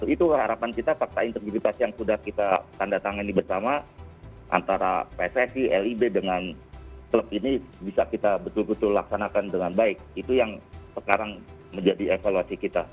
itu harapan kita fakta integritas yang sudah kita tanda tangani bersama antara pssi lib dengan klub ini bisa kita betul betul laksanakan dengan baik itu yang sekarang menjadi evaluasi kita